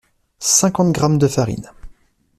cinquante grammes de farine